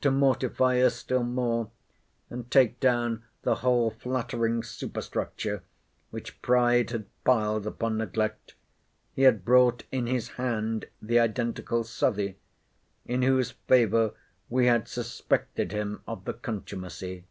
To mortify us still more, and take down the whole flattering superstructure which pride had piled upon neglect, he had brought in his hand the identical S——, in whose favour we had suspected him of the contumacy.